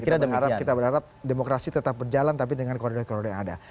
kita berharap kita berharap demokrasi tetap berjalan tapi dengan koridor koridor yang ada